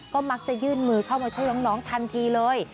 ก็มักจะยื่นมือเข้ามาช่วยน้องทันทีเลย